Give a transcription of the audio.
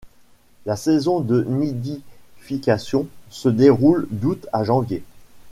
La saison de nidification se déroule d'août à janvier.